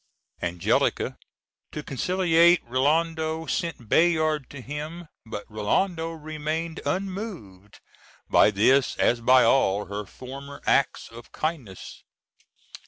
Angelica, to conciliate Rinaldo, sent Bayard to him; but Rinaldo remained unmoved by this as by all her former acts of kindness.